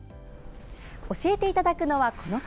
教えていただくのは、この方。